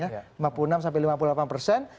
lima puluh enam sampai lima puluh delapan persen